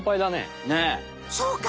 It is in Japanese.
そうか！